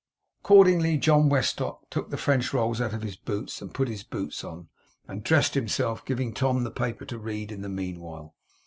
Accordingly John Westlock took the French rolls out of his boots, and put his boots on, and dressed himself; giving Tom the paper to read in the meanwhile.